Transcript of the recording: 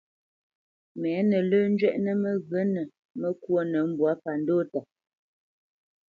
Mɛ́nǝ́ lǝ̂ zhwɛʼnǝ mǝghyǝ̌nǝ nǝ́ mǝkwónǝ mbwǎ pa ndɔʼta.